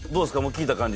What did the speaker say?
聴いた感じ